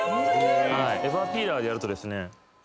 エバーピーラーでやるとですね。